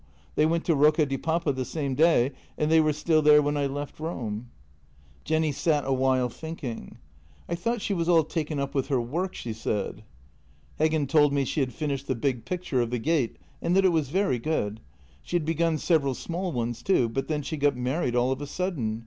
They went to Rocca di Papa the same day, and they were still there when I left Rome." Jenny sat a while thinking. " I thought she was all taken up with her work," she said. " Heggen told me she had finished the big picture of the gate, and that it was very good. She had begun several small ones too, but then she got married all of a sudden.